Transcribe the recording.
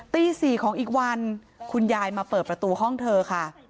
ตี๔ของอีกวันคุณยายมาเปิดประตูห้องเธอค่ะ